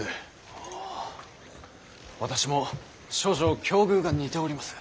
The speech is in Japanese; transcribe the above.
おぉ私も少々境遇が似ております。